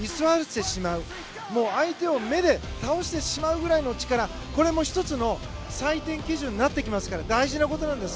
相手を目で倒してしまう力これも１つの採点基準になってきますから大事なことなんです。